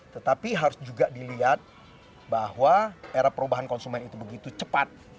tetapi harus juga dilihat bahwa era perubahan konsumen itu begitu cepat